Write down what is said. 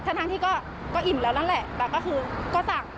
ทั้งที่ก็อิ่มแล้วนั่นแหละแบบก็สั่ง